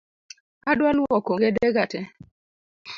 Adwa luoko ongede ga tee